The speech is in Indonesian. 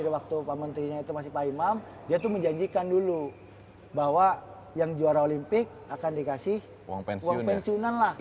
waktu pak menterinya itu masih pak imam dia tuh menjanjikan dulu bahwa yang juara olimpik akan dikasih uang pensiunan lah